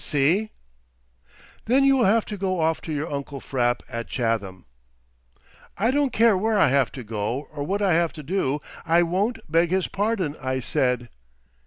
"See?" "Then you will have to go off to your uncle Frapp at Chatham." "I don't care where I have to go or what I have to do, I won't beg his pardon," I said.